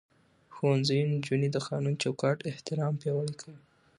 ښوونځی نجونې د قانوني چوکاټ احترام پياوړې کوي.